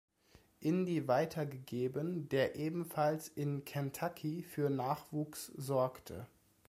Indy weitergegeben, der ebenfalls in Kentucky für Nachwuchs sorgte.